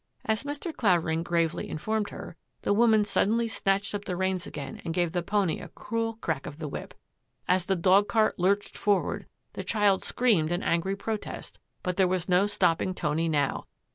" As Mr. Clavering gravely informed her, the woman suddenly snatched up the reins again and gave the pony a cruel crack of the whip. As the dog cart lurched forward, the child screamed an angry protest, but there was no stopping Tony now.